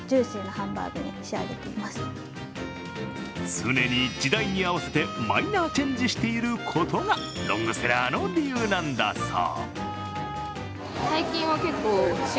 常に時代に合わせて、マイナーチェンジしていることがロングセラーの理由なんだそう。